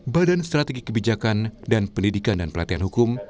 badan strategi kebijakan dan pendidikan dan pelatihan hukum